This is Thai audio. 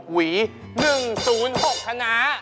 ๖หวี๑๐๖ขนา